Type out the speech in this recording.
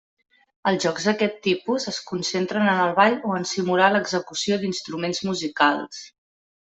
Els jocs d'aquest tipus es concentren en el ball o en simular l'execució d'instruments musicals.